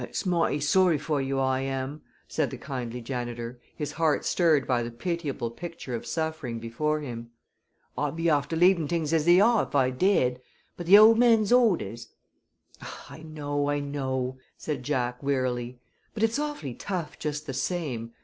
"Ut's mighty sorry for you, I am," said the kindly janitor, his heart stirred by the pitiable picture of suffering before him. "I'd be afther leavin' t'ings as they are if I dared, but the old man's orders " "I know, I know," said Jack, wearily, "but it's awfully tough just the same.